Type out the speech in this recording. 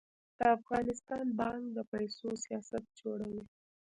د افغانستان بانک د پیسو سیاست جوړوي